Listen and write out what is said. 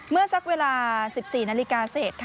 เมื่อสักเวลา๑๔นาฬิกาเศษ